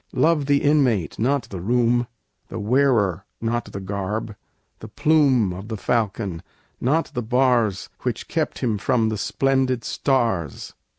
Love the inmate, not the room; The wearer, not the garb; the plume Of the falcon, not the bars Which kept him from the splendid stars.